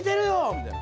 みたいな。